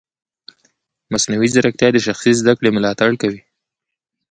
مصنوعي ځیرکتیا د شخصي زده کړې ملاتړ کوي.